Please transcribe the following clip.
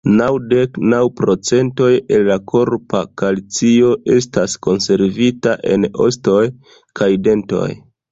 Naŭdek naŭ procentoj el la korpa kalcio estas konservita en ostoj kaj dentoj.